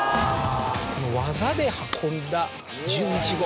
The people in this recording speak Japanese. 技で運んだ１１号。